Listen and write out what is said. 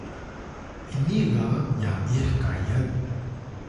ini ga ya’ih kayan